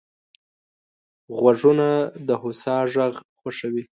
غوږونه د هوسا غږ خوښوي